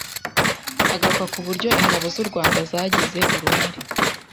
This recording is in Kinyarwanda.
agaruka ku buryo Ingabo z’u Rwanda zagize uruhare